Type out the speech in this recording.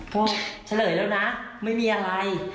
เพราะเฉลยแล้วนะไม่มีอะไร